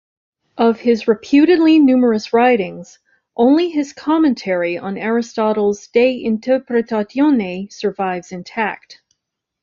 Of his reputedly numerous writings, only his commentary on Aristotle's "De Interpretatione" survives intact.